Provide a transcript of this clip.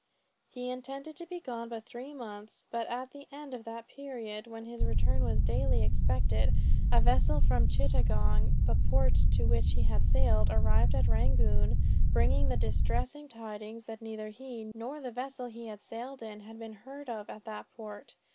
He intended to be gone but three months, but at the end of that period, when his return was daily expected, a vessel from Chittagong, the port to which he had sailed, arrived at Rangoon, bringing the distressing tidings, that neither he, nor the vessel he sailed in had been heard of at that port.